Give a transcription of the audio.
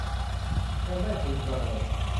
เงินได้พึงประเมิน